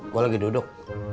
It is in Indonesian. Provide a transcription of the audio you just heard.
gue lagi duduk